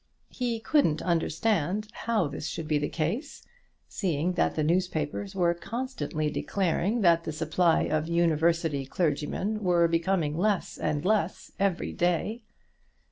He couldn't understand how this should be the case, seeing that the newspapers were constantly declaring that the supply of university clergymen were becoming less and less every day.